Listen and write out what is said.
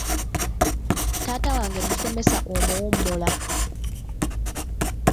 Taata wange musomesa omuwummula.